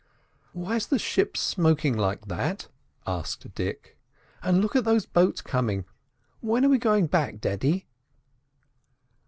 "Why's the ship smoking like that?" asked Dick. "And look at those boats coming—when are we going back, daddy?"